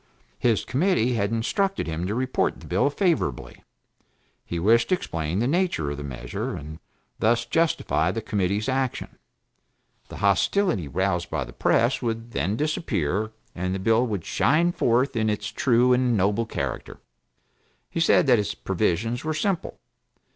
His committee had instructed him to report the bill favorably; he wished to explain the nature of the measure, and thus justify the committee's action; the hostility roused by the press would then disappear, and the bill would shine forth in its true and noble character. He said that its provisions were simple.